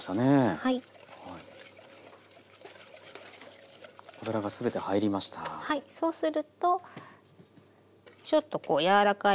はい。